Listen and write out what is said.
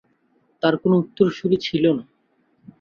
তার কোন উত্তরসূরী ছিলো না।